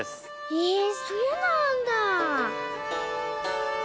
へえそうなんだあ！